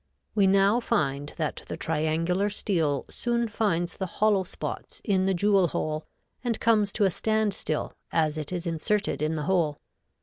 We now find that the triangular steel soon finds the hollow spots in the jewel hole and comes to a stand still as it is inserted in the hole.